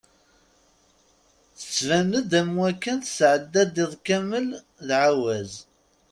Tettban-d am wakken tesɛedda-d iḍ kamel d aɛawez.